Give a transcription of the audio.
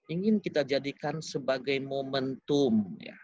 ingin kita jadikan sebagai momentum